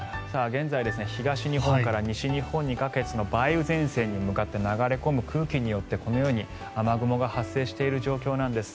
現在、東日本から西日本にかけて梅雨前線に向かって流れ込む空気によってこのように雨雲が発生している状況なんです。